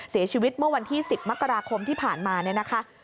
เสียชีวิตเมื่อวันที่๑๐มกราคมที่ผ่านมาเนี่ยนะคะ